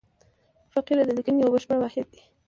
فقره د لیکني یو بشپړ واحد دئ.